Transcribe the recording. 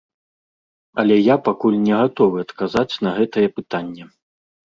Але я пакуль не гатовы адказаць на гэтае пытанне.